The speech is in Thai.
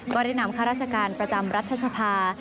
ก็ได้นำข้าราชการประจำรัฐสภา